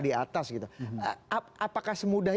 di atas gitu apakah semudah